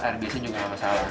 air biasa juga nggak masalah